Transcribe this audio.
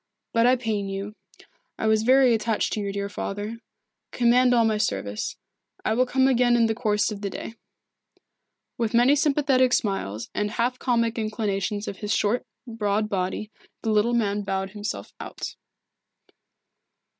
But I pain you. I was very much attached to your dear father. Command all my service. I will come again in the course of the day." With many sympathetic smiles and half comic inclinations of his short, broad body, the little man bowed himself out.